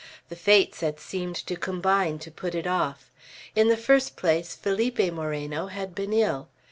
The Fates had seemed to combine to put it off. In the first place, Felipe Moreno had been ill.